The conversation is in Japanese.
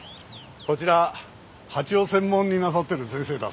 こちら蜂を専門になさってる先生だそうで。